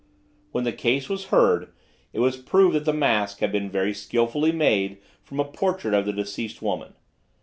When the case was heard, it was proved that the mask had been very skillfully made from a portrait of the deceased woman.